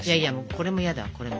これも嫌だこれも。